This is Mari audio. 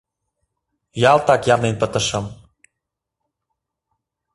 Ялтак ярнен пытышым.